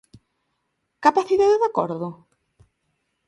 ¿Capacidade de acordo?